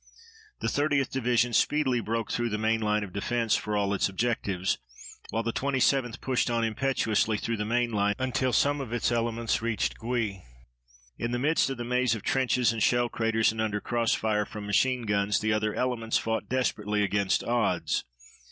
The 30th Division speedily broke through the main line of defense for all its objectives, while the 27th pushed on impetuously through the main line until some of its elements reached Gouy. In the midst of the maze of trenches and shell craters and under crossfire from machine guns the other elements fought desperately against odds.